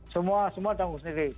semua semua ditanggung sendiri